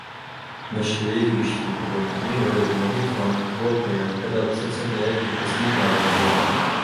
بەشێوەیەکی گشتی قبوڵکردنی بەڕێوبردنەکەی تڕامپ بۆ قەیرانەکەدا بە سەر چەند لایەنێکی حزبی دابەش بووە.